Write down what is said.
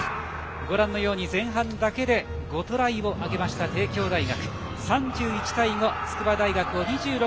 ご覧のように前半だけで５トライを挙げました帝京大学。